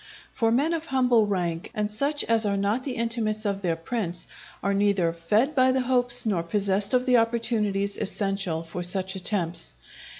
For men of humble rank, and such as are not the intimates of their prince, are neither fed by the hopes nor possessed of the opportunities essential for such attempts.